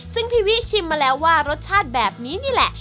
ซึ่งพี่วิชิมมาแล้วว่ารสชาติแบบนี้นี่แหละ